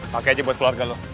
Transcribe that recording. pakai aja buat keluarga loh